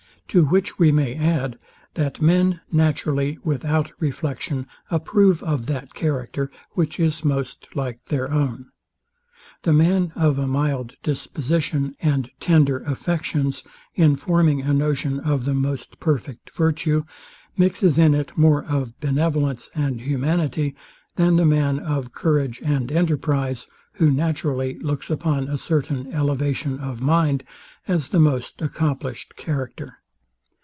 To which we may add, that men naturally, without reflection, approve of that character, which is most like their own. The man of a mild disposition and tender affections, in forming a notion of the most perfect virtue, mixes in it more of benevolence and humanity, than the man of courage and enterprize, who naturally looks upon a certain elevation of mind as the most accomplished character.